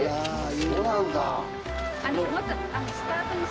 そうなんだ。